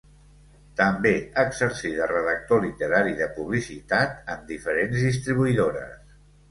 També exercí de redactor literari de publicitat en diferents distribuïdores.